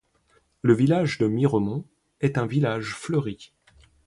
Le village de Miremont est un village fleuri.